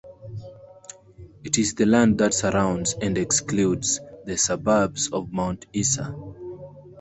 It is the land that surrounds (and excludes) the suburbs of Mount Isa.